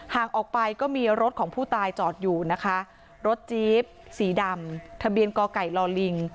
ออกไปก็มีรถของผู้ตายจอดอยู่นะคะรถจี๊บสีดำทะเบียนกไก่ลอลิง